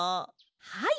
はい！